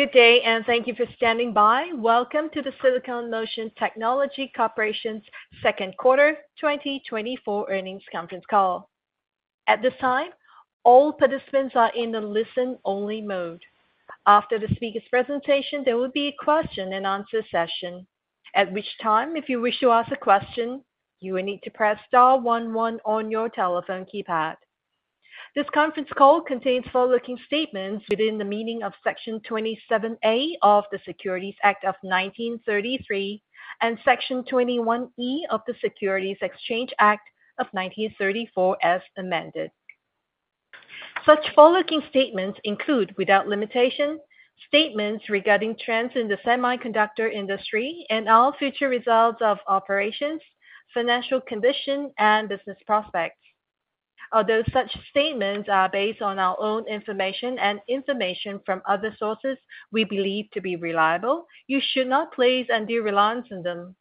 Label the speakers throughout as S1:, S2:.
S1: Good day, and thank you for standing by. Welcome to the Silicon Motion Technology Corporation's Second Quarter 2024 Earnings Conference Call. At this time, all participants are in the listen-only mode. After the speaker's presentation, there will be a question-and-answer session, at which time, if you wish to ask a question, you will need to press star one one on your telephone keypad. This conference call contains forward-looking statements within the meaning of Section 27A of the Securities Act of 1933 and Section 21E of the Securities Exchange Act of 1934, as amended. Such forward-looking statements include, without limitation, statements regarding trends in the semiconductor industry and all future results of operations, financial condition, and business prospects. Although such statements are based on our own information and information from other sources we believe to be reliable, you should not place any reliance on them.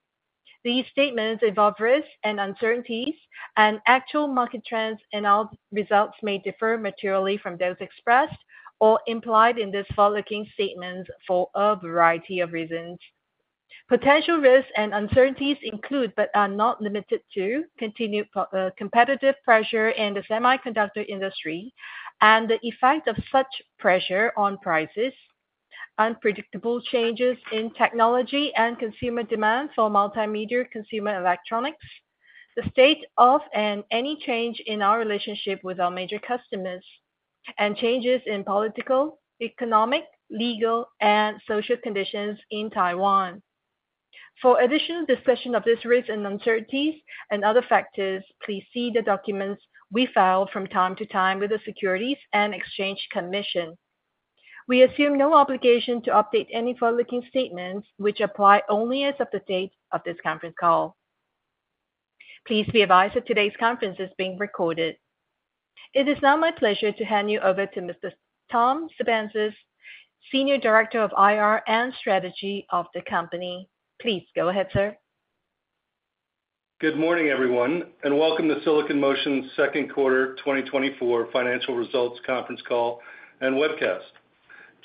S1: These statements involve risks and uncertainties, and actual market trends and all results may differ materially from those expressed or implied in these forward-looking statements for a variety of reasons. Potential risks and uncertainties include, but are not limited to, continued competitive pressure in the semiconductor industry and the effect of such pressure on prices, unpredictable changes in technology and consumer demand for multimedia consumer electronics, the state of and any change in our relationship with our major customers, and changes in political, economic, legal, and social conditions in Taiwan. For additional discussion of these risks and uncertainties and other factors, please see the documents we file from time to time with the Securities and Exchange Commission. We assume no obligation to update any forward-looking statements, which apply only as of the date of this conference call. Please be advised that today's conference is being recorded. It is now my pleasure to hand you over to Mr. Tom Sepenzis, Senior Director of IR and Strategy of the company. Please go ahead, sir.
S2: Good morning, everyone, and welcome to Silicon Motion's Second Quarter 2024 Financial Results Conference Call and Webcast.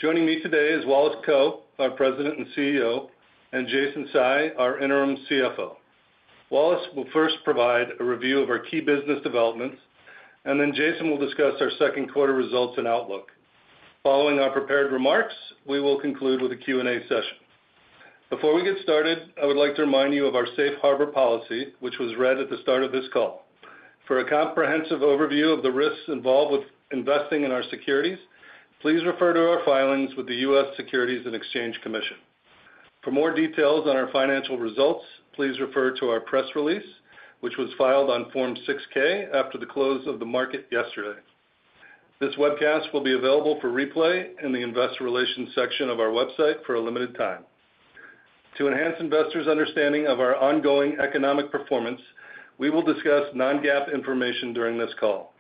S2: Joining me today is Wallace Kou, our President and CEO, and Jason Tsai, our Interim CFO. Wallace will first provide a review of our key business developments, and then Jason will discuss our second quarter results and outlook. Following our prepared remarks, we will conclude with a Q&A session. Before we get started, I would like to remind you of our Safe Harbor policy, which was read at the start of this call. For a comprehensive overview of the risks involved with investing in our securities, please refer to our filings with the U.S. Securities and Exchange Commission. For more details on our financial results, please refer to our press release, which was filed on Form 6-K after the close of the market yesterday. This webcast will be available for replay in the investor relations section of our website for a limited time. To enhance investors' understanding of our ongoing economic performance, we will discuss non-GAAP information during this call.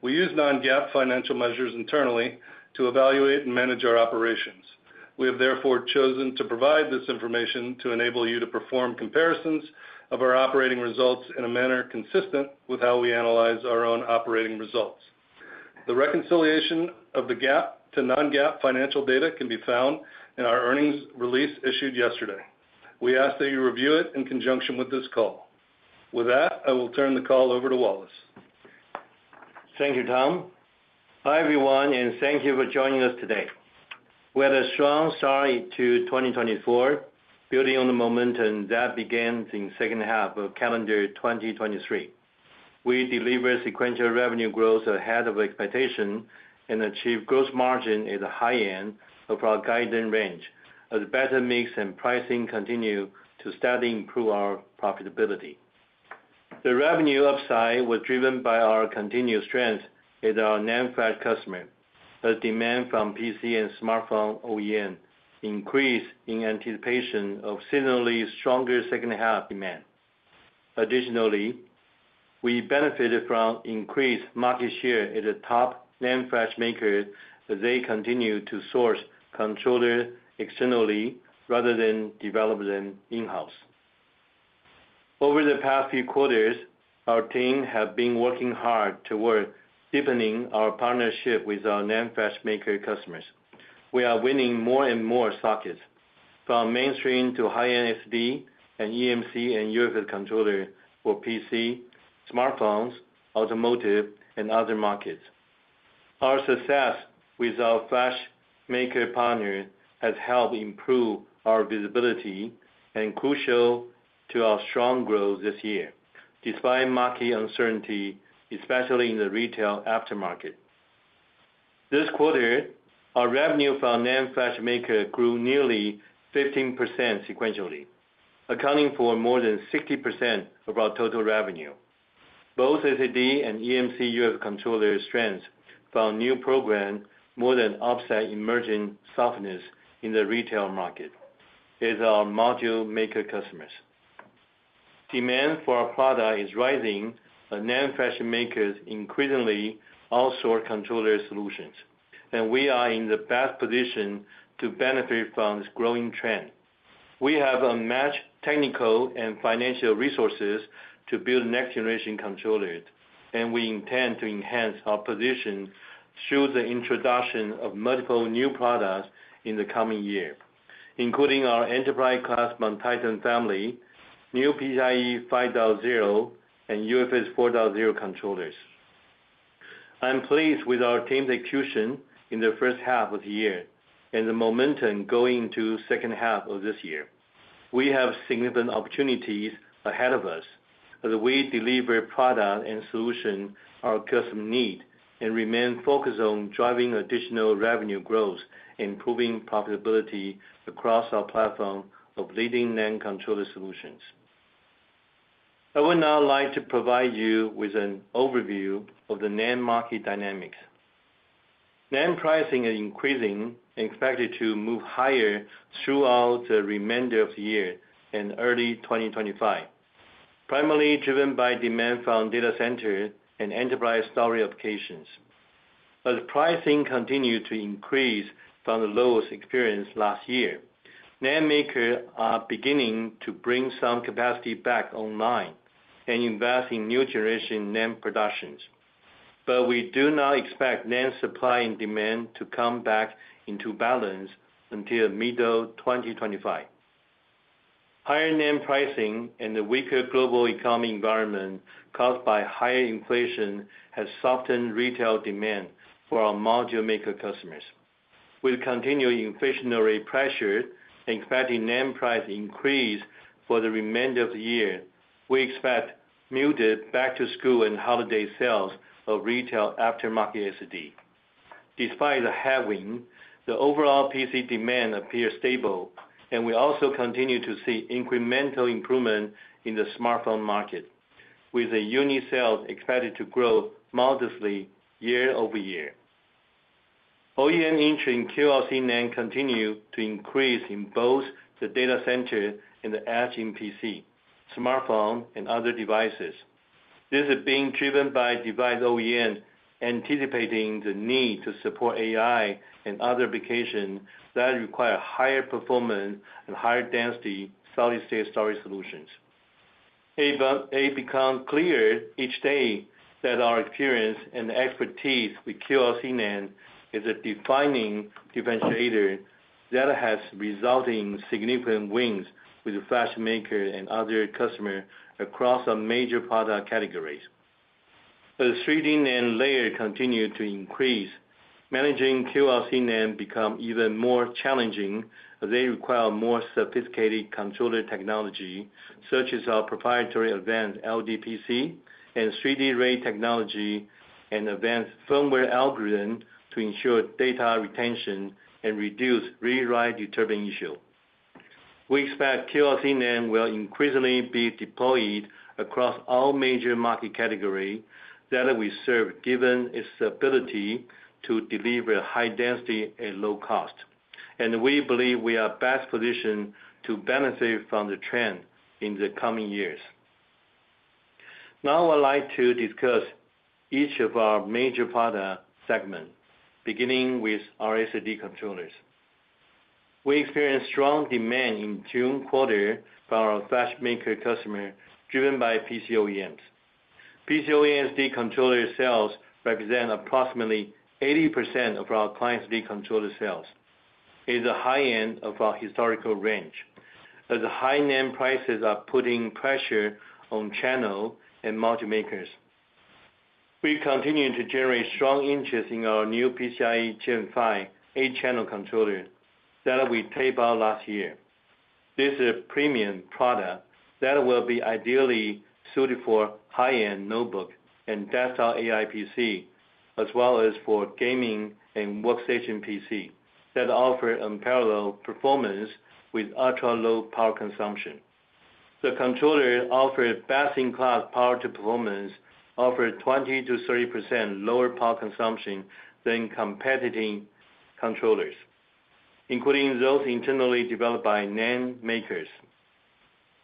S2: We use non-GAAP financial measures internally to evaluate and manage our operations. We have therefore chosen to provide this information to enable you to perform comparisons of our operating results in a manner consistent with how we analyze our own operating results. The reconciliation of the GAAP to non-GAAP financial data can be found in our earnings release issued yesterday. We ask that you review it in conjunction with this call. With that, I will turn the call over to Wallace.
S3: Thank you, Tom. Hi, everyone, and thank you for joining us today. We had a strong start to 2024, building on the momentum that began in the second half of calendar 2023. We delivered sequential revenue growth ahead of expectations and achieved gross margins at the high end of our guidance range as better mix and pricing continue to steadily improve our profitability. The revenue upside was driven by our continued strength with our NAND flash customers, as demand from PC and smartphone OEMs increased in anticipation of similarly stronger second-half demand. Additionally, we benefited from increased market share at the top NAND flash makers as they continue to source controllers externally rather than develop them in-house. Over the past few quarters, our team has been working hard toward deepening our partnership with our NAND flash maker customers. We are winning more and more sockets, from mainstream to high-end SD and eMMC and UFS controllers for PC, smartphones, automotive, and other markets. Our success with our flash maker partners has helped improve our visibility and is crucial to our strong growth this year, despite market uncertainty, especially in the retail aftermarket. This quarter, our revenue from NAND flash makers grew nearly 15% sequentially, accounting for more than 60% of our total revenue. Both SD and eMMC UFS controllers' strengths found new progress, more than upside emerging softness in the retail market as our module maker customers. Demand for our product is rising, and NAND flash makers increasingly outsource controller solutions, and we are in the best position to benefit from this growing trend. We have unmatched technical and financial resources to build next-generation controllers, and we intend to enhance our position through the introduction of multiple new products in the coming year, including our enterprise-class MonTitan family, new PCIe 5.0, and UFS 4.0 controllers. I'm pleased with our team's execution in the first half of the year and the momentum going into the second half of this year. We have significant opportunities ahead of us as we deliver products and solutions our customers need and remain focused on driving additional revenue growth and improving profitability across our platform of leading NAND controller solutions. I would now like to provide you with an overview of the macro-market dynamics. NAND pricing is increasing and expected to move higher throughout the remainder of the year and early 2025, primarily driven by demand from data centers and enterprise storage applications. As pricing continues to increase from the lows experienced last year, NAND flash makers are beginning to bring some capacity back online and invest in new-generation flash productions. But we do not expect flash supply and demand to come back into balance until the middle of 2025. Higher flash pricing and the weaker global economy environment caused by higher inflation have softened retail demand for our module maker customers. With continued inflationary pressure and expected flash price increase for the remainder of the year, we expect muted back-to-school and holiday sales of retail aftermarket SSD. Despite the headwind, the overall PC demand appears stable, and we also continue to see incremental improvement in the smartphone market, with unit sales expected to grow modestly year over year. OEM interest in QLC adoption continues to increase in both the data center and the edge in PC, smartphone, and other devices. This is being driven by device OEMs anticipating the need to support AI and other applications that require higher performance and higher density solid-state storage solutions. It becomes clear each day that our experience and expertise with QLC NAND is a defining differentiator that has resulted in significant wins with flash makers and other customers across our major product categories. As 3D NAND layers continue to increase, managing QLC NAND becomes even more challenging as they require more sophisticated controller technology, such as our proprietary advanced LDPC and 3D RAID technology, and advanced firmware algorithms to ensure data retention and reduce read/write endurance issues. We expect QLC NAND will increasingly be deployed across all major market categories that we serve, given its ability to deliver high density at low cost. We believe we are best positioned to benefit from the trend in the coming years. Now, I'd like to discuss each of our major product segments, beginning with our SSD controllers. We experienced strong demand in June quarter from our flash maker customers, driven by PC OEMs. PC OEMs' controller sales represent approximately 80% of our client controller sales. It is the high end of our historical range, as high NAND flash prices are putting pressure on channel and module makers. We continue to generate strong interest in our new PCIe Gen-5 8-channel controller that we tape out last year. This is a premium product that will be ideally suited for high-end notebook and desktop AI PC, as well as for gaming and workstation PC that offer unparalleled performance with ultra-low power consumption. The controller offers best-in-class power-to-performance, offering 20%-30% lower power consumption than competing controllers, including those internally developed by NAND flash makers.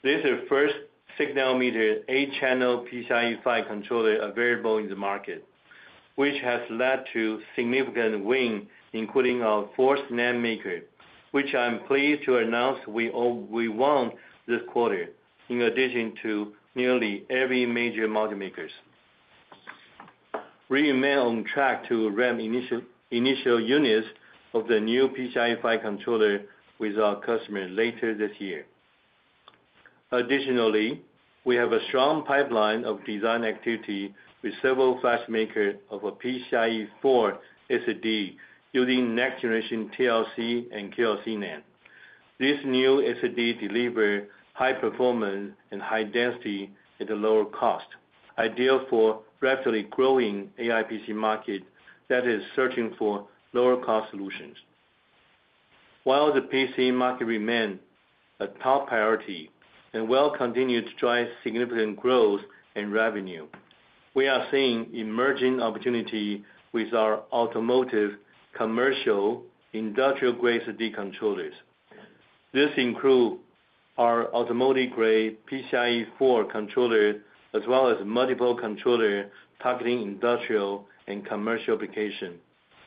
S3: This is the first 6-nanometer 8-channel PCIe 5 controller available in the market, which has led to significant wins, including our fourth non-Flash maker, which I'm pleased to announce we won this quarter, in addition to nearly every major module maker. We remain on track to ramp initial units of the new PCIe 5 controller with our customers later this year. Additionally, we have a strong pipeline of design activity with several flash makers of a PCIe 4 SSD using next-generation TLC and QLC NAND. This new SSD delivers high performance and high density at a lower cost, ideal for rapidly growing AI PC markets that are searching for lower-cost solutions. While the PC market remains a top priority and will continue to drive significant growth and revenue, we are seeing emerging opportunities with our automotive, commercial, and industrial-grade SSD controllers. This includes our automotive-grade PCIe 4 controller, as well as multiple controllers targeting industrial and commercial applications.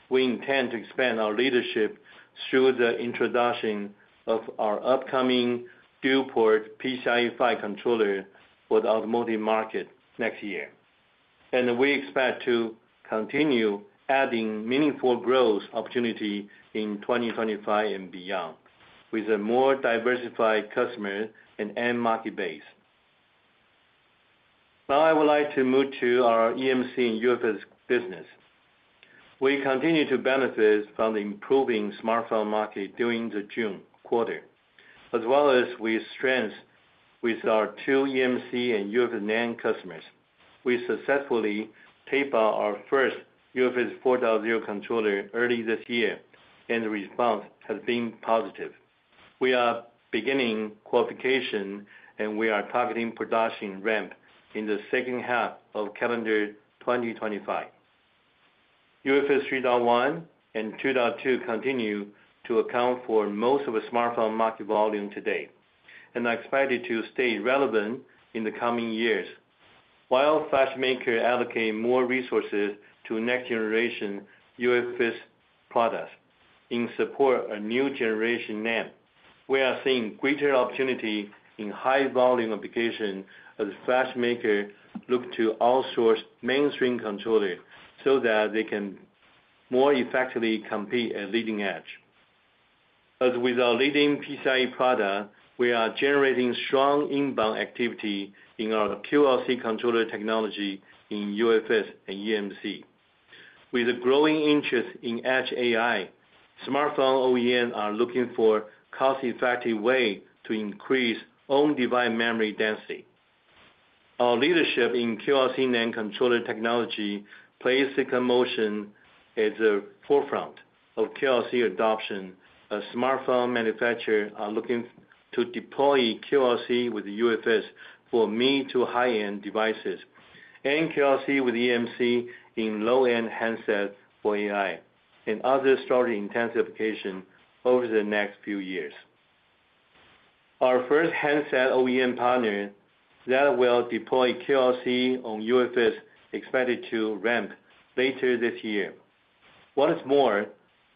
S3: We intend to expand our leadership through the introduction of our upcoming dual-port PCIe 5 controller for the automotive market next year. We expect to continue adding meaningful growth opportunities in 2025 and beyond, with a more diversified customer and end market base. Now, I would like to move to our eMMC and UFS business. We continue to benefit from the improving smartphone market during the June quarter, as well as with strengths with our two eMMC and UFS non-Flash customers. We successfully taped out our first UFS 4.0 controller early this year, and the response has been positive. We are beginning qualification, and we are targeting production ramp in the second half of calendar 2025. UFS 3.1 and 2.2 continue to account for most of the smartphone market volume today, and are expected to stay relevant in the coming years. While flash makers allocate more resources to next-generation UFS products in support of new-generation NAND, we are seeing greater opportunity in high-volume applications as flash makers look to outsource mainstream controllers so that they can more effectively compete at leading edge. As with our leading PCIe products, we are generating strong inbound activity in our QLC controller technology in UFS and eMMC. With a growing interest in edge AI, smartphone OEMs are looking for a cost-effective way to increase on-device memory density. Our leadership in QLC NAND conforming technology places Silicon Motion at the forefront of QLC adoption. As smartphone manufacturers are looking to deploy QLC with UFS for mid-to-high-end devices and QLC with eMMC in low-end handsets for AI and other storage-intensive applications over the next few years. Our first handset OEM partner that will deploy QLC on UFS is expected to ramp later this year. What's more,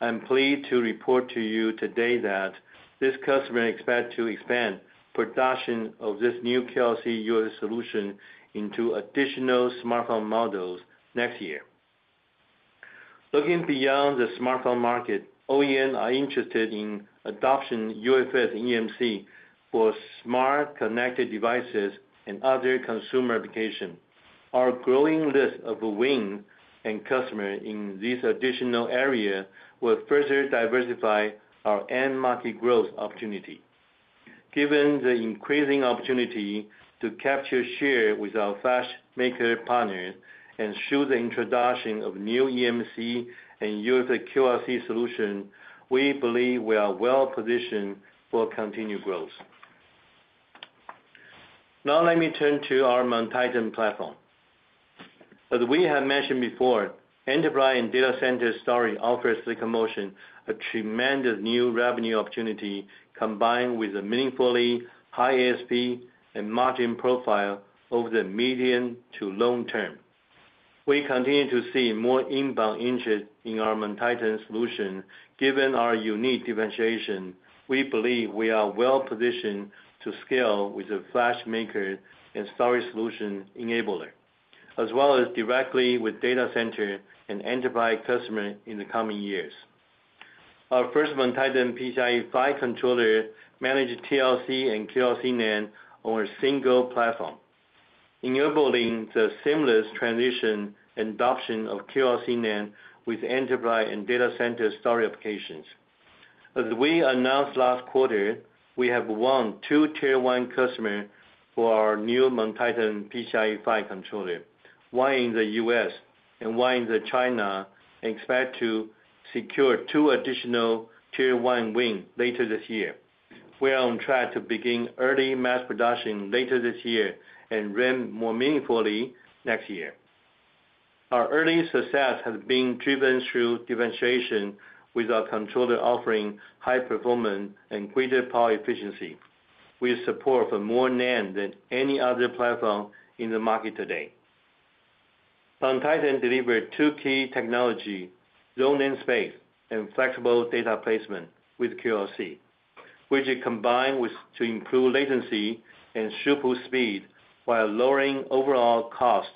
S3: I'm pleased to report to you today that this customer is expected to expand production of this new QLC UFS solution into additional smartphone models next year. Looking beyond the smartphone market, OEMs are interested in adopting UFS and eMMC for smart connected devices and other consumer applications. Our growing list of wins and customers in this additional area will further diversify our end-market growth opportunity. Given the increasing opportunity to capture share with our flash maker partners and through the introduction of new eMMC and UFS QLC solutions, we believe we are well-positioned for continued growth. Now, let me turn to our MonTitan platform. As we have mentioned before, enterprise and data center storage offers Silicon Motion a tremendous new revenue opportunity combined with a meaningfully high ASP and margin profile over the medium to long term. We continue to see more inbound interest in our MonTitan solutions. Given our unique differentiation, we believe we are well-positioned to scale with the flash maker and storage solution enabler, as well as directly with data center and enterprise customers in the coming years. Our first MonTitan PCIe Gen-5 controller manages TLC and QLC components on a single platform, enabling the seamless transition and adoption of QLC components with enterprise and data center storage applications. As we announced last quarter, we have won two Tier 1 customers for our new MonTitan PCIe Gen5 controller, one in the U.S. and one in China, and expect to secure two additional Tier 1 wins later this year. We are on track to begin early mass production later this year and ramp more meaningfully next year. Our early success has been driven through differentiation with our controller offering high performance and greater power efficiency, with support for more NAND components than any other platform in the market today. MonTitan delivers two key technologies: low over-provisioning space and flexible data placement with QLC, which it combines to improve latency and throughput speed while lowering overall costs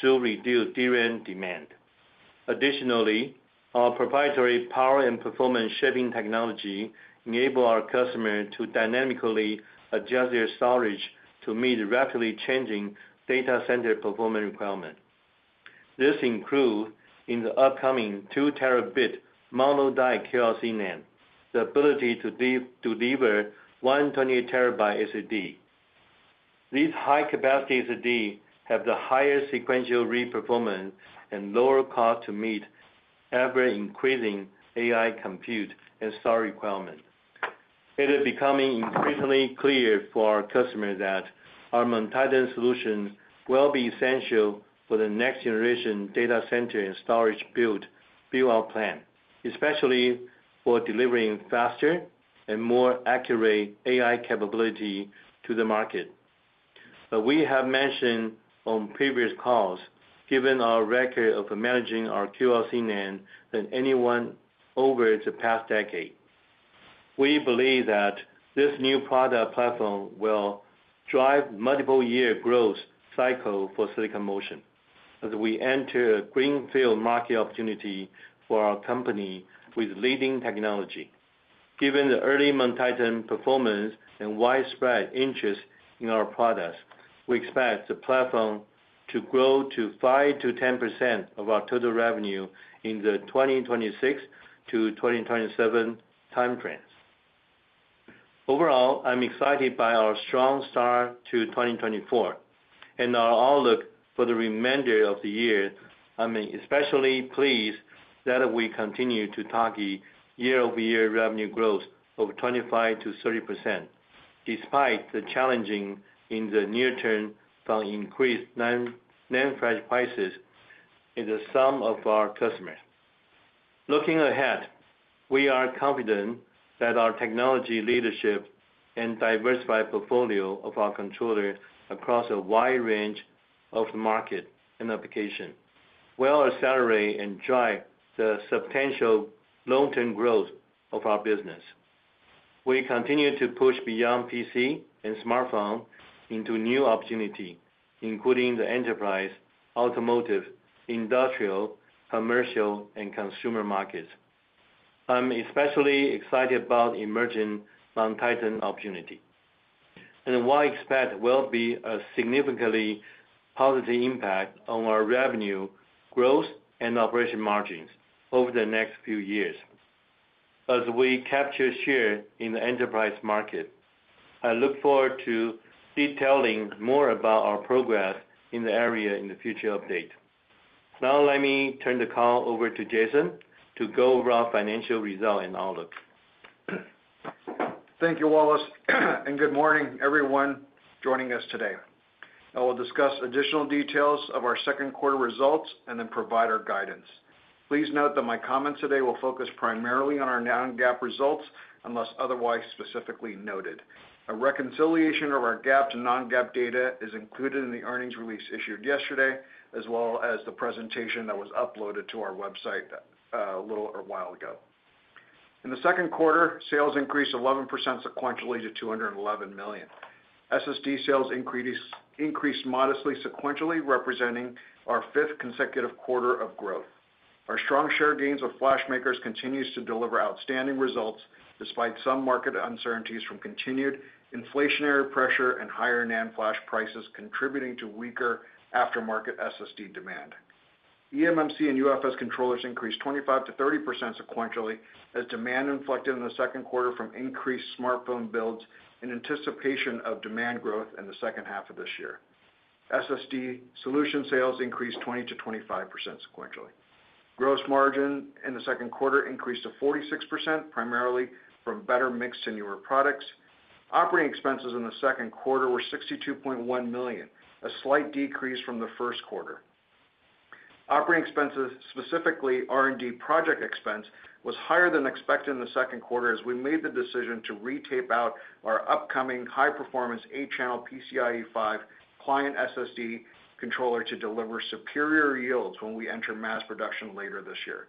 S3: to drive retail demand. Additionally, our proprietary power and performance shaping technology enables our customers to dynamically adjust their storage to meet rapidly changing data center performance requirements. This includes in the upcoming 2-terabit mono-die QLC NAND, the ability to deliver 128-terabyte SSD. These high-capacity SSD have the highest sequential read performance and lower costs to meet ever-increasing AI compute and storage requirements. It is becoming increasingly clear for our customers that our MonTitan solutions will be essential for the next-generation data center and storage build-out plan, especially for delivering faster and more accurate AI capabilities to the market. As we have mentioned on previous calls, given our record of managing our QLC NAND qualification than anyone over the past decade, we believe that this new product platform will drive multiple-year growth cycles for Silicon Motion as we enter a greenfield market opportunity for our company with leading technology. Given the early MonTitan performance and widespread interest in our products, we expect the platform to grow to 5%-10% of our total revenue in the 2026-2027 timeframes. Overall, I'm excited by our strong start to 2024 and our outlook for the remainder of the year. I'm especially pleased that we continue to target year-over-year revenue growth of 25%-30%, despite the challenges in the near term from increased NAND components prices in some of our customers. Looking ahead, we are confident that our technology leadership and diversified portfolio of our controllers across a wide range of markets and applications will accelerate and drive the substantial long-term growth of our business. We continue to push beyond PC and smartphone into new opportunities, including the enterprise, automotive, industrial, commercial, and consumer markets. I'm especially excited about emerging MonTitan opportunities and what I expect will be a significantly positive impact on our revenue growth and operating margins over the next few years. As we capture share in the enterprise market, I look forward to detailing more about our progress in the area in the future update. Now, let me turn the call over to Jason to go over our financial results and outlook.
S4: Thank you, Wallace, and good morning, everyone joining us today. I will discuss additional details of our second quarter results and then provide our guidance. Please note that my comments today will focus primarily on our non-GAAP results unless otherwise specifically noted. A reconciliation of our GAAP to non-GAAP data is included in the earnings release issued yesterday, as well as the presentation that was uploaded to our website a little while ago. In the second quarter, sales increased 11% sequentially to $211 million. SSD sales increased modestly sequentially, representing our fifth consecutive quarter of growth. Our strong share gains of flash makers continue to deliver outstanding results despite some market uncertainties from continued inflationary pressure and higher NAND flash prices contributing to weaker aftermarket SSD demand. eMMC and UFS controllers increased 25%-30% sequentially as demand inflected in the second quarter from increased smartphone builds in anticipation of demand growth in the second half of this year. SSD solution sales increased 20%-25% sequentially. Gross margin in the second quarter increased to 46%, primarily from better mixed and newer products. Operating expenses in the second quarter were $62.1 million, a slight decrease from the first quarter. Operating expenses, specifically R&D project expense, was higher than expected in the second quarter as we made the decision to retape out our upcoming high-performance 8-channel PCIe 5 client SSD controller to deliver superior yields when we enter mass production later this year.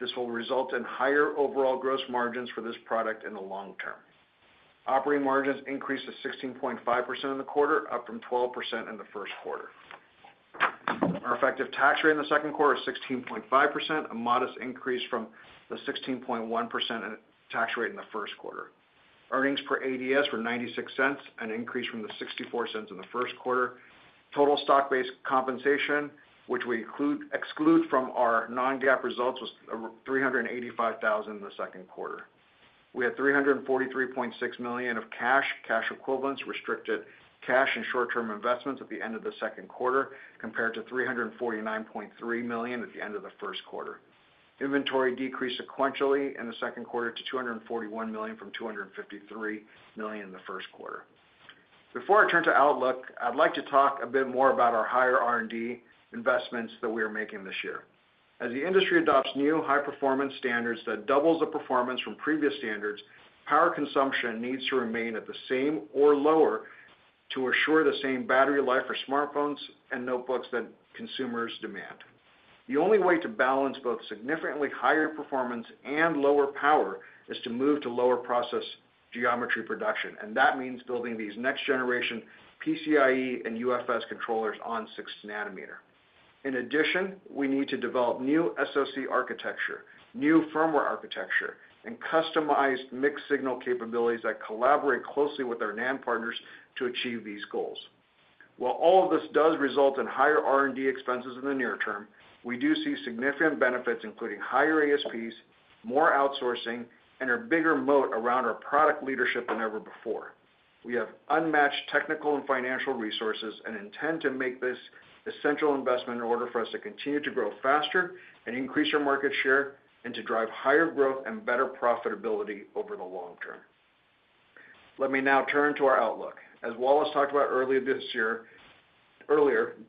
S4: This will result in higher overall gross margins for this product in the long term. Operating margins increased to 16.5% in the quarter, up from 12% in the first quarter. Our effective tax rate in the second quarter is 16.5%, a modest increase from the 16.1% tax rate in the first quarter. Earnings per ADS were $0.96, an increase from the $0.64 in the first quarter. Total stock-based compensation, which we exclude from our non-GAAP results, was $385,000 in the second quarter. We had $343.6 million of cash, cash equivalents, restricted cash and short-term investments at the end of the second quarter compared to $349.3 million at the end of the first quarter. Inventory decreased sequentially in the second quarter to $241 million from $253 million in the first quarter. Before I turn to outlook, I'd like to talk a bit more about our higher R&D investments that we are making this year. As the industry adopts new high-performance standards that double the performance from previous standards, power consumption needs to remain at the same or lower to assure the same battery life for smartphones and notebooks that consumers demand. The only way to balance both significantly higher performance and lower power is to move to lower process geometry production, and that means building these next-generation PCIe and UFS controllers on 16 nanometers. In addition, we need to develop new SoC architecture, new firmware architecture, and customized mixed signal capabilities that collaborate closely with our NAND partners to achieve these goals. While all of this does result in higher R&D expenses in the near term, we do see significant benefits, including higher ASPs, more outsourcing, and a bigger moat around our product leadership than ever before. We have unmatched technical and financial resources and intend to make this essential investment in order for us to continue to grow faster and increase our market share and to drive higher growth and better profitability over the long term. Let me now turn to our outlook. As Wallace talked about earlier this year,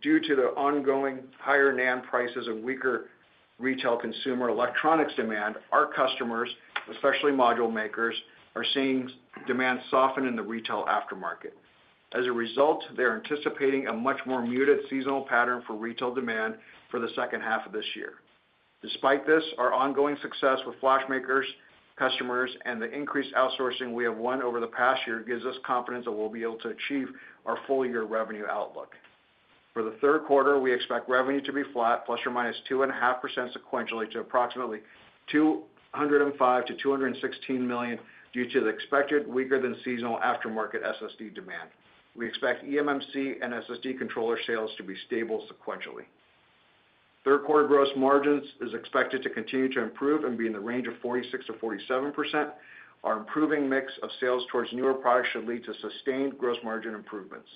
S4: due to the ongoing higher NAND prices and weaker retail consumer electronics demand, our customers, especially module makers, are seeing demand soften in the retail aftermarket. As a result, they're anticipating a much more muted seasonal pattern for retail demand for the second half of this year. Despite this, our ongoing success with flash makers, customers, and the increased outsourcing we have won over the past year gives us confidence that we'll be able to achieve our full-year revenue outlook. For the third quarter, we expect revenue to be flat ±2.5% sequentially to approximately $205 million-$216 million due to the expected weaker-than-seasonal aftermarket SSD demand. We expect eMMC and SSD controller sales to be stable sequentially. Third quarter gross margins are expected to continue to improve and be in the range of 46%-47%. Our improving mix of sales towards newer products should lead to sustained gross margin improvements.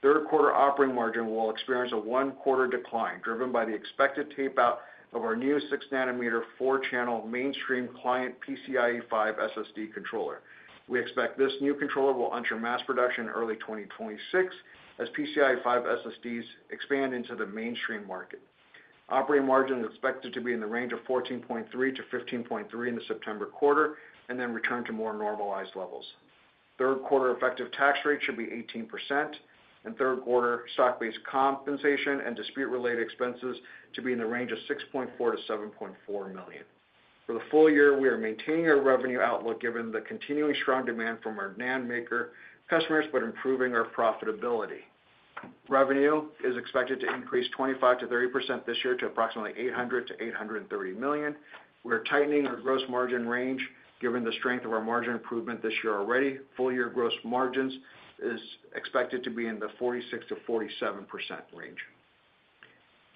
S4: Third quarter operating margin will experience a one-quarter decline driven by the expected tape-out of our new 6-nanometer four-channel mainstream client PCIe 5 SSD controller. We expect this new controller will enter mass production in early 2026 as PCIe 5 SSDs expand into the mainstream market. Operating margin is expected to be in the range of 14.3%-15.3% in the September quarter and then return to more normalized levels. Third quarter effective tax rate should be 18%, and third quarter stock-based compensation and dispute-related expenses should be in the range of $6.4 million-$7.4 million. For the full year, we are maintaining our revenue outlook given the continuing strong demand from our NAND maker customers, but improving our profitability. Revenue is expected to increase 25%-30% this year to approximately $800 million-$830 million. We're tightening our gross margin range given the strength of our margin improvement this year already. Full-year gross margins are expected to be in the 46%-47% range.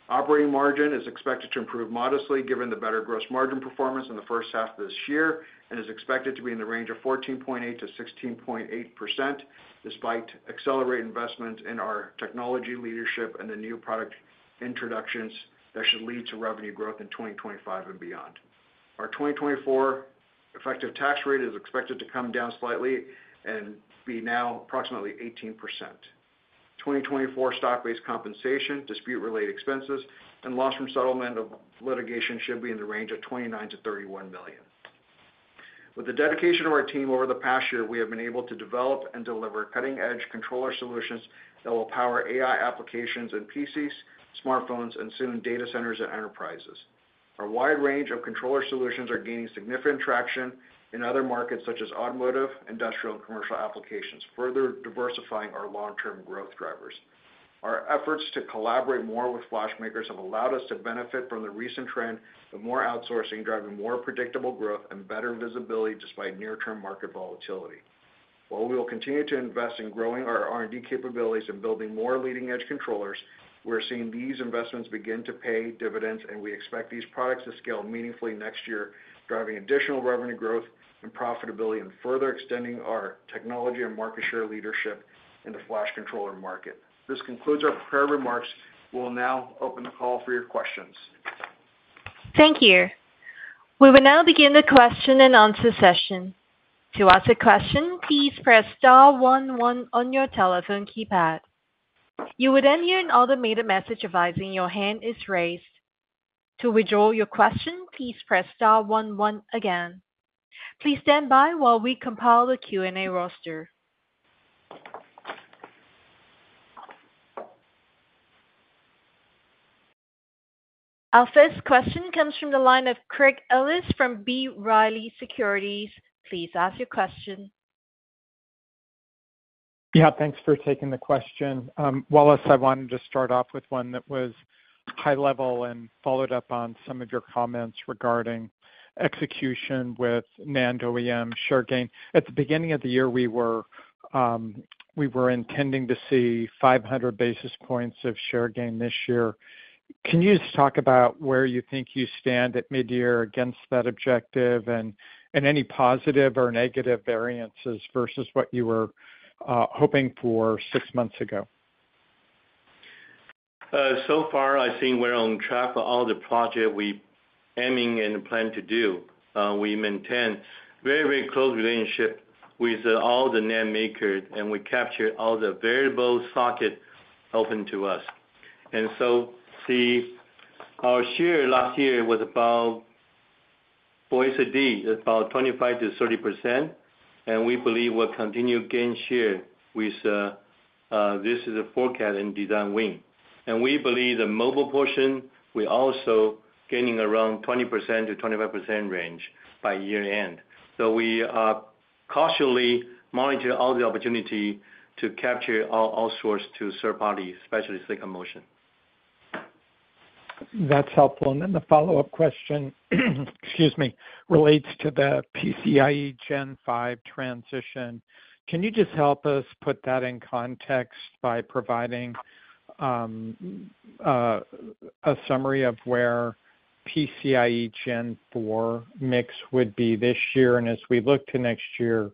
S4: Operating margin is expected to improve modestly given the better gross margin performance in the first half of this year and is expected to be in the range of 14.8%-16.8%, despite accelerated investments in our technology leadership and the new product introductions that should lead to revenue growth in 2025 and beyond. Our 2024 effective tax rate is expected to come down slightly and be now approximately 18%. 2024 stock-based compensation, dispute-related expenses, and loss from settlement of litigation should be in the range of $29 million-$31 million. With the dedication of our team over the past year, we have been able to develop and deliver cutting-edge controller solutions that will power AI applications and PCs, smartphones, and soon data centers and enterprises. Our wide range of controller solutions is gaining significant traction in other markets such as automotive, industrial, and commercial applications, further diversifying our long-term growth drivers. Our efforts to collaborate more with flash makers have allowed us to benefit from the recent trend of more outsourcing, driving more predictable growth and better visibility despite near-term market volatility. While we will continue to invest in growing our R&D capabilities and building more leading-edge controllers, we're seeing these investments begin to pay dividends, and we expect these products to scale meaningfully next year, driving additional revenue growth and profitability and further extending our technology and market share leadership in the flash controller market. This concludes our prepared remarks. We'll now open the call for your questions.
S1: Thank you. We will now begin the question and answer session. To ask a question, please press star one one on your telephone keypad. You will then hear an automated message advising your hand is raised. To withdraw your question, please press star one one again. Please stand by while we compile the Q&A roster. Our first question comes from the line of Craig Ellis from B. Riley Securities. Please ask your question.
S5: Yeah, thanks for taking the question. Wallace, I wanted to start off with one that was high level and followed up on some of your comments regarding execution with non-OEM share gain. At the beginning of the year, we were intending to see 500 basis points of share gain this year. Can you just talk about where you think you stand at midyear against that objective and any positive or negative variances versus what you were hoping for six months ago?
S3: So far, I think we're on track for all the projects we're aiming and plan to do. We maintain a very, very close relationship with all the NAND makers, and we capture all the variable sockets open to us. And so our share last year was about, for SSD, about 25%-30%, and we believe we'll continue to gain share with this is a forecast in design win. And we believe the mobile portion, we're also gaining around 20%-25% range by year-end. So we are cautiously monitoring all the opportunities to capture our outsource to third parties, especially Silicon Motion.
S5: That's helpful. And then the follow-up question, excuse me, relates to the PCIe Gen 5 transition. Can you just help us put that in context by providing a summary of where PCIe Gen 4 mix would be this year? And as we look to next year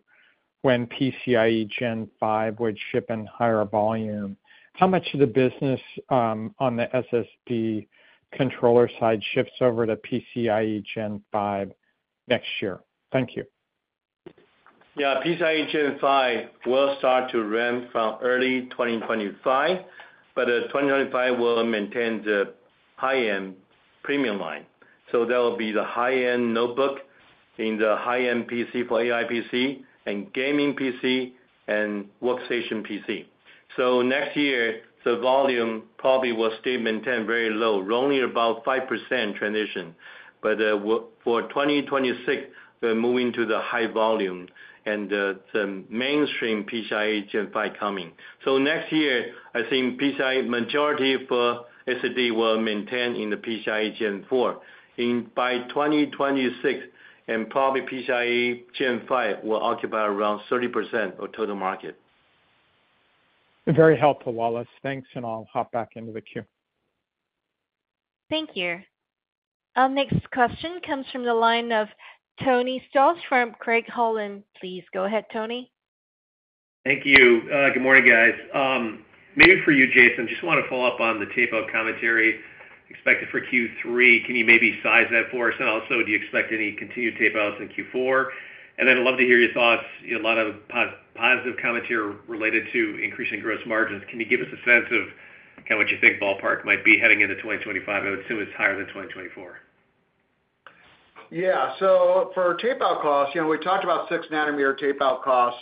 S5: when PCIe Gen 5 would ship in higher volume, how much of the business on the SSD controller side shifts over to PCIe Gen 5 next year? Thank you.
S3: Yeah, PCIe Gen 5 will start to run from early 2025, but 2025 will maintain the high-end premium line. So that will be the high-end notebook in the high-end PC for AI PC and gaming PC and workstation PC. So next year, the volume probably will stay maintained very low, only about 5% transition. But for 2026, we're moving to the high volume and the mainstream PCIe Gen 5 coming. So next year, I think PCIe majority for SSD will maintain in the PCIe Gen 4. By 2026, PCIe Gen 5 will probably occupy around 30% of total market.
S5: Very helpful, Wallace. Thanks, and I'll hop back into the queue.
S1: Thank you. Our next question comes from the line of Anthony Stoss from Craig-Hallum. Please go ahead, Tony.
S6: Thank you. Good morning, guys. Maybe for you, Jason, I just want to follow up on the tape-out commentary expected for Q3. Can you maybe size that for us? And also, do you expect any continued tape-outs in Q4? And then I'd love to hear your thoughts. A lot of positive commentary related to increasing gross margins. Can you give us a sense of kind of what you think ballpark might be heading into 2025? I would assume it's higher than 2024.
S4: Yeah, so for tape-out costs, we talked about 6-nanometer tape-out costs,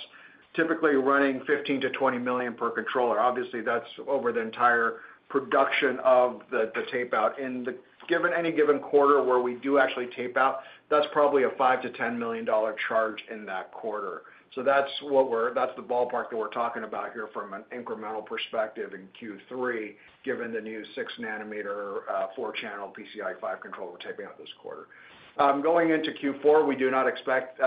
S4: typically running $15 million-$20 million per controller. Obviously, that's over the entire production of the tape-out. In any given quarter where we do actually tape out, that's probably a $5 million-$10 million charge in that quarter. So that's the ballpark that we're talking about here from an incremental perspective in Q3, given the new 6-nanometer four-channel PCIe 5 controller tape-out this quarter. Going into Q4, we do not expect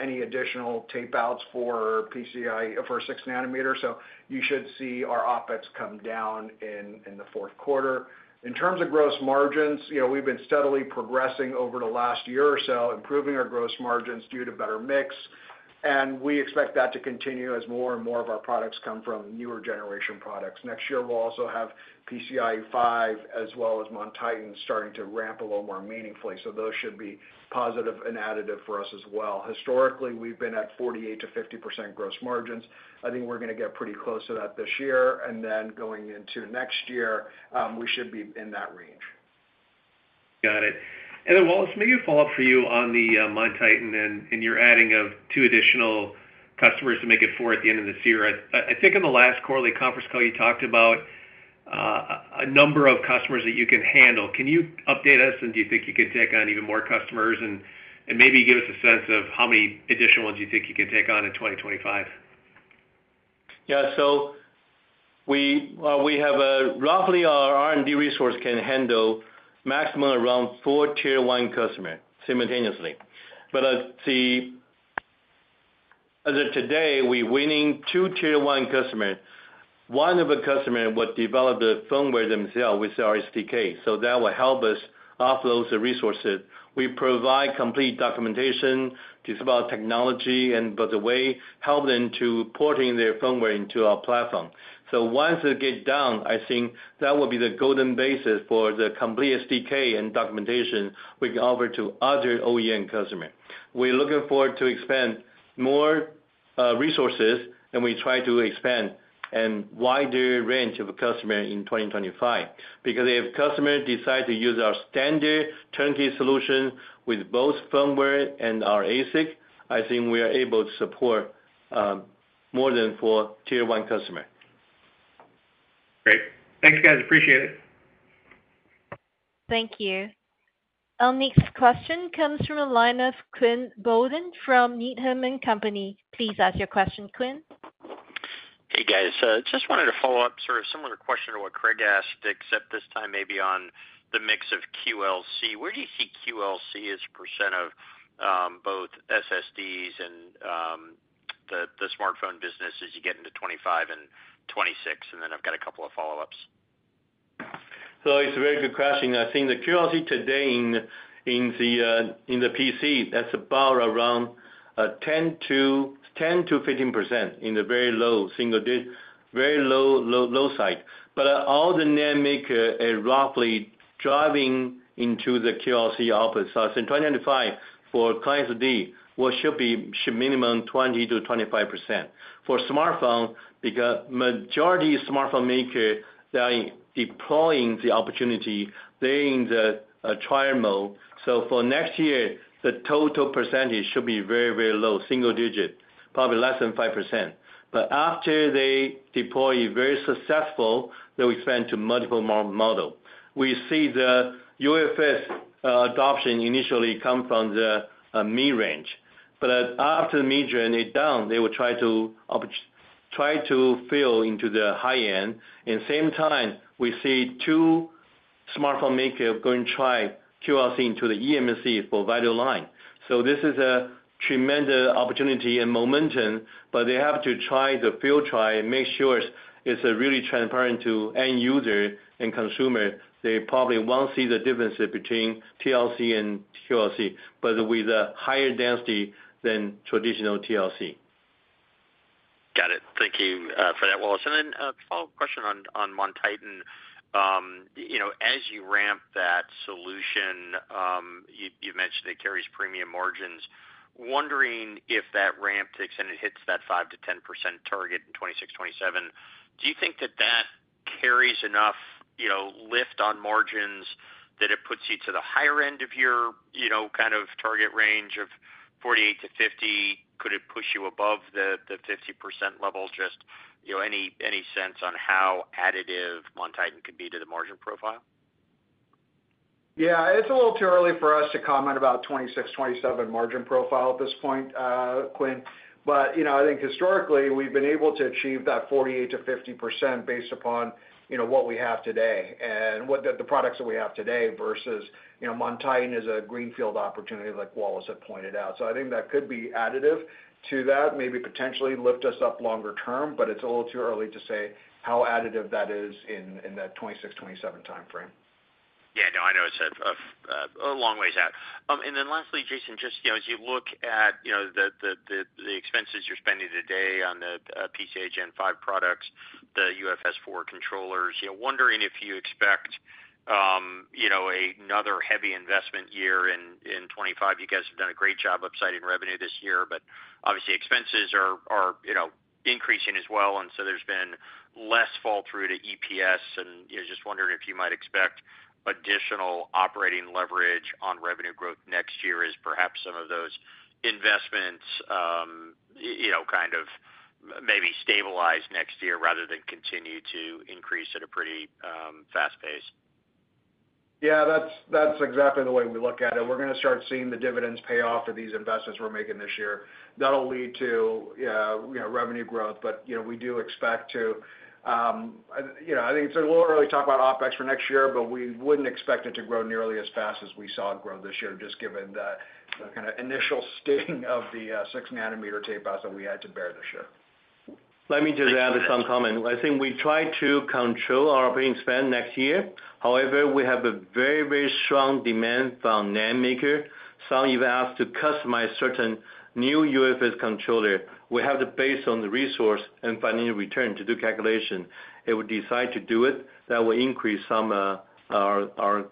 S4: any additional tape-outs for 6-nanometer. So you should see our OpEx come down in the fourth quarter. In terms of gross margins, we've been steadily progressing over the last year or so, improving our gross margins due to better mix. And we expect that to continue as more and more of our products come from newer generation products. Next year, we'll also have PCIe 5 as well as MonTitan starting to ramp a little more meaningfully. So those should be positive and additive for us as well. Historically, we've been at 48%-50% gross margins. I think we're going to get pretty close to that this year. And then going into next year, we should be in that range.
S6: Got it. And then, Wallace, maybe a follow-up for you on the MonTitan and your adding of two additional customers to make it four at the end of this year. I think in the last quarterly conference call, you talked about a number of customers that you can handle. Can you update us, and do you think you can take on even more customers and maybe give us a sense of how many additional ones you think you can take on in 2025?
S3: Yeah, so we have roughly our R&D resource can handle maximum around four Tier 1 customers simultaneously. But as of today, we're winning two Tier 1 customers. One of the customers will develop the firmware themselves with our SDK. So that will help us offload the resources. We provide complete documentation to develop technology and, by the way, help them to port in their firmware into our platform. So once it gets done, I think that will be the golden basis for the complete SDK and documentation we can offer to other OEM customers. We're looking forward to expanding more resources, and we try to expand a wider range of customers in 2025. Because if customers decide to use our standard turnkey solution with both firmware and our ASIC, I think we are able to support more than four Tier 1 customers.
S6: Great. Thanks, guys. Appreciate it.
S1: Thank you. Our next question comes from the line of Quinn Bolton from Needham & Company. Please ask your question, Quinn.
S7: Hey, guys. Just wanted to follow up sort of a similar question to what Craig asked, except this time maybe on the mix of QLC. Where do you see QLC as a % of both SSDs and the smartphone business as you get into 2025 and 2026? And then I've got a couple of follow-ups.
S3: So it's very good question. I think the QLC today in the PC, that's about around 10%-15% in the very low side. But all the NAND maker are roughly driving into the QLC op-eds. So in 2025, for client SSD, we should be minimum 20%-25%. For smartphone, the majority of smartphone makers that are deploying the opportunity, they're in the trial mode. So for next year, the total percentage should be very, very low, single digit, probably less than 5%. But after they deploy very successfully, they will expand to multiple models. We see the UFS adoption initially come from the mid-range. But after the mid-range is down, they will try to fill into the high-end. At the same time, we see two smartphone makers going to try QLC into the eMMC for value line. So this is a tremendous opportunity and momentum, but they have to try the field trial and make sure it's really transparent to end users and consumers. They probably won't see the difference between TLC and QLC, but with a higher density than traditional TLC.
S7: Got it. Thank you for that, Wallace. And then a follow-up question on MonTitan. As you ramp that solution, you've mentioned it carries premium margins. Wondering if that ramp takes and it hits that 5%-10% target in 2026, 2027, do you think that that carries enough lift on margins that it puts you to the higher end of your kind of target range of 48%-50%? Could it push you above the 50% level? Just any sense on how additive MonTitan could be to the margin profile?
S4: Yeah, it's a little too early for us to comment about 2026, 2027 margin profile at this point, Quinn. But I think historically, we've been able to achieve that 48%-50% based upon what we have today and the products that we have today vs MonTitan is a greenfield opportunity, like Wallace had pointed out. So I think that could be additive to that, maybe potentially lift us up longer term, but it's a little too early to say how additive that is in that 2026, 2027 timeframe.
S7: Yeah, no, I know it's a long ways out. And then lastly, Jason, just as you look at the expenses you're spending today on the PCIe Gen 5 products, the UFS4 controllers, wondering if you expect another heavy investment year in 2025. You guys have done a great job upsiding revenue this year, but obviously, expenses are increasing as well, and so there's been less fall through to EPS. And just wondering if you might expect additional operating leverage on revenue growth next year as perhaps some of those investments kind of maybe stabilize next year rather than continue to increase at a pretty fast pace.
S4: Yeah, that's exactly the way we look at it. We're going to start seeing the dividends pay off for these investments we're making this year. That'll lead to revenue growth, but we do expect to—I think it's a little early to talk about OpEx for next year, but we wouldn't expect it to grow nearly as fast as we saw it grow this year, just given the kind of initial sting of the 6-nanometer tape-outs that we had to bear this year.
S3: Let me just add some comment. I think we try to control our operating spend next year. However, we have a very, very strong demand from NAND makers. Some even asked to customize certain new UFS controllers. We have to base on the resource and financial return to do calculation. If we decide to do it, that will increase some of our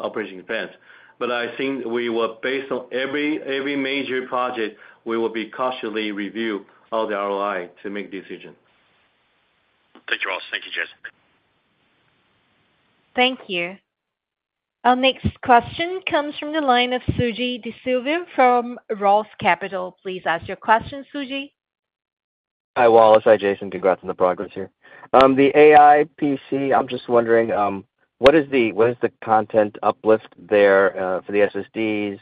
S3: operating expense. But I think we will, based on every major project, we will be cautiously reviewing all the ROI to make a decision.
S7: Thank you, Wallace. Thank you, Jason.
S3: Thank you.
S1: Our next question comes from the line of Suji Desilva from Roth MKM. Please ask your question, Suji.
S8: Hi, Wallace. Hi, Jason. Congrats on the progress here. The AI PC, I'm just wondering, what is the content uplift there for the SSDs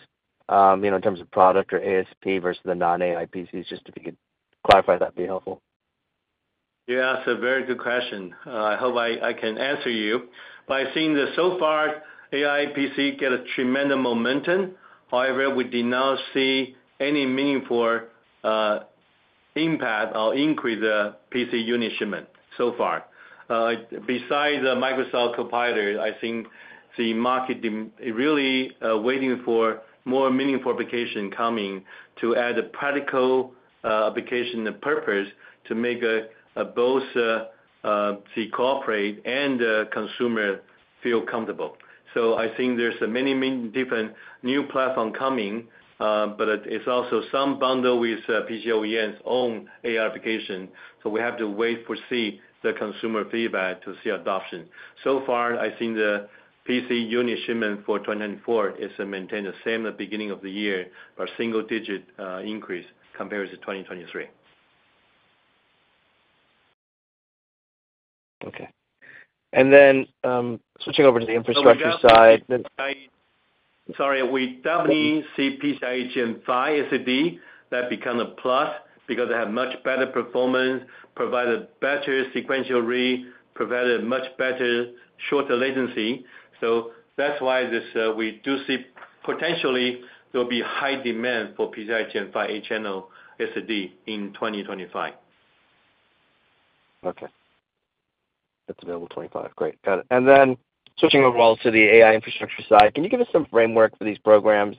S8: in terms of product or ASP vs the non-AI PCs? Just if you could clarify that would be helpful.
S3: Yeah, it's a very good question. I hope I can answer you. But I think that so far, AI PCs get a tremendous momentum. However, we do not see any meaningful impact or increase in PC unit shipment so far. Besides the Microsoft Copilot, I think the market is really waiting for more meaningful applications coming to add a practical application purpose to make both the corporate and the consumer feel comfortable. So I think there's many different new platforms coming, but it's also some bundle with PC OEM's own AI application. So we have to wait for to see the consumer feedback to see adoption. So far, I think the PC unit shipment for 2024 is maintained the same at the beginning of the year, a single-digit increase compared to 2023. Okay. And then switching over to the infrastructure side. Sorry, we definitely see PCIe Gen 5 SSDs that become a plus because they have much better performance, provide a better sequential read, provide a much better shorter latency. So that's why we do see potentially there will be high demand for PCIe Gen 5 HMB SSD in 2025. Okay. That's available 2025.
S8: Great. Got it. And then switching over, Wallace, to the AI infrastructure side, can you give us some framework for these programs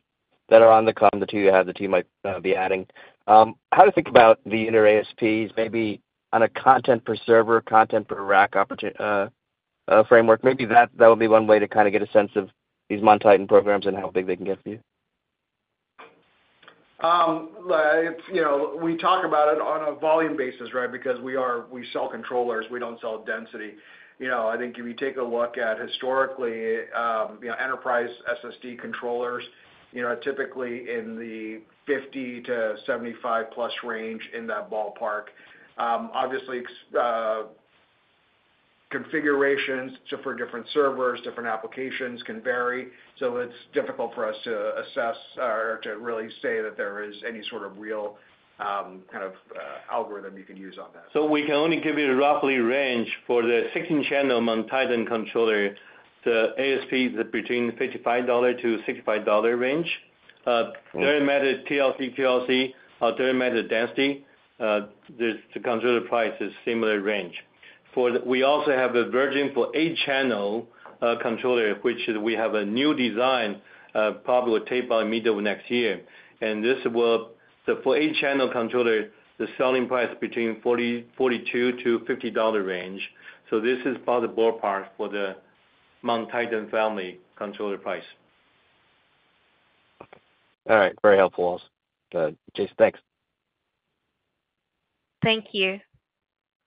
S8: that are on the cloud that you have that you might be adding?
S3: How to think about the inner ASPs, maybe on a content per server, content per rack framework. Maybe that would be one way to kind of get a sense of these MonTitan programs and how big they can get for you. We talk about it on a volume basis, right? Because we sell controllers. We don't sell density. I think if you take a look at historically, enterprise SSD controllers are typically in the 50-75+ range in that ballpark. Obviously, configurations for different servers, different applications can vary. So it's difficult for us to assess or to really say that there is any sort of real kind of algorithm you can use on that. So we can only give you a rough range for the 16-channel MonTitan controller. The ASP is between $55-$65 range. Whether TLC, TLC, or whether density. The controller price is similar range. We also have a version for 8-channel controller, which we have a new design, probably tape-out in the middle of next year. And for 8-channel controller, the selling price is between $42-$50 range. So this is about the ballpark for the MonTitan family controller price.
S8: All right. Very helpful, Wallace. Jason, thanks.
S1: Thank you.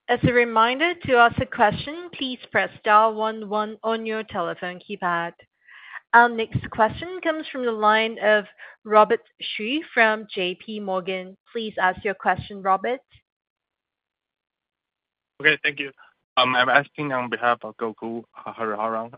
S1: As a reminder, to ask a question, please press star one one on your telephone keypad. Our next question comes from the line of Robert Xu from JPMorgan. Please ask your question, Robert.
S9: Okay. Thank you. I'm asking on behalf of Gokul Hariharan.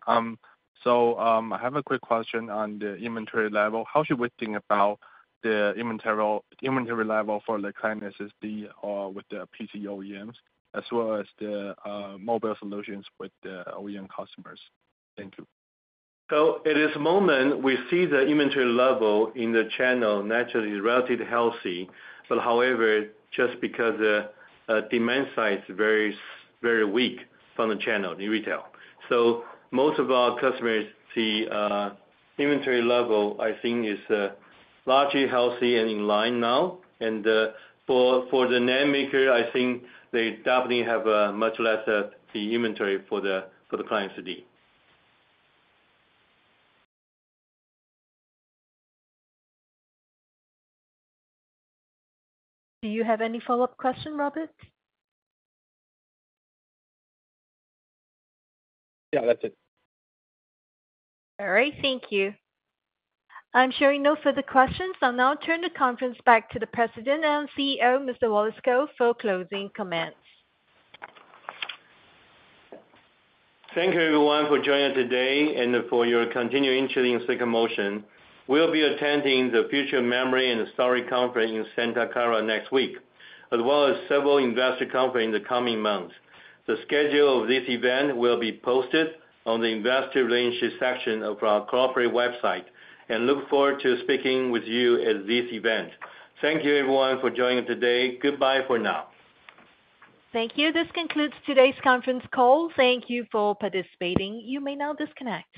S9: So I have a quick question on the inventory level. How should we think about the inventory level for the client SSD or with the PC OEMs as well as the mobile solutions with the OEM customers? Thank you.
S3: So at this moment, we see the inventory level in the channel naturally is relatively healthy. But however, just because the demand side is very weak from the channel in retail. So most of our customers see inventory level, I think, is largely healthy and in line now. And for the NAND makers, I think they definitely have much less of the inventory for the client SSD.
S2: Do you have any follow-up question, Robert?
S9: Yeah, that's it.
S1: All right. Thank you. I'm sharing no further questions. I'll now turn the conference back to the President and CEO, Mr.
S2: Wallace Kou, for closing comments.
S3: Thank you, everyone, for joining us today and for your continuing to Silicon Motion. We'll be attending the Future Memory and Storage Conference in Santa Clara next week, as well as several investor conferences in the coming months. The schedule of this event will be posted on the investor relations section of our corporate website. Look forward to speaking with you at this event. Thank you, everyone, for joining us today. Goodbye for now.
S1: Thank you. This concludes today's conference call. Thank you for participating. You may now disconnect.